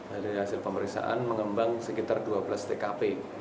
dari hasil pemeriksaan mengembang sekitar dua belas tkp